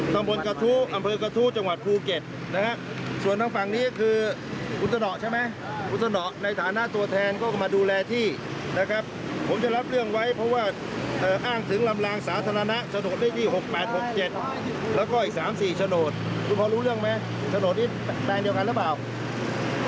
ตำบลกระทู้อำเภอกระทู้จังหวัดภูเก็ตนะฮะส่วนทางฝั่งนี้ก็คืออุตสนใช่ไหมอุตสนในฐานะตัวแทนก็มาดูแลที่นะครับผมจะรับเรื่องไว้เพราะว่าอ้างถึงลำลางสาธารณะโฉนดเลขที่๖๘๖๗แล้วก็อีก๓๔โฉนดคุณพอรู้เรื่องไหมถนนนี้แปลงเดียวกันหรือเปล่า